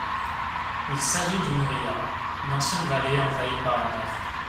Il s'agit d'une ria, une ancienne vallée envahie par la mer.